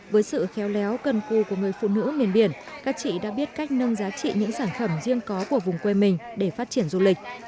với sự khéo léo cân cù của người phụ nữ miền biển các chị đã biết cách nâng giá trị những sản phẩm riêng có của vùng quê mình để phát triển du lịch